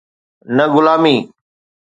نه غلامي.